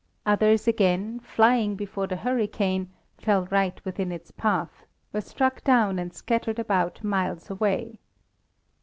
Others again, flying before the hurricane, fell right within its path, were struck down and scattered about miles away.